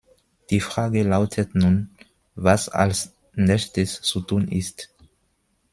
Die Frage lautet nun, was als Nächstes zu tun ist.